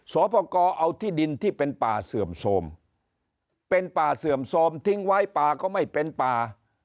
สอบประกอบเอาที่ดินที่เป็นป่าเสื่อมโทรมเป็นป่าเสื่อมโทรมทิ้งไว้ป่าก็ไม่เป็นป่า